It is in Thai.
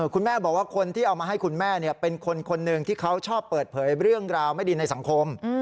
คุณแม่บอกว่าคนที่เอามาให้คุณแม่เป็นคนหนึ่งที่เขาชอบเปิดเผยเรื่องราวไม่ดีในสังคม